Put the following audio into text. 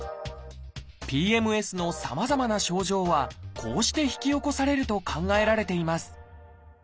ＰＭＳのさまざまな症状はこうして引き起こされると考えられています。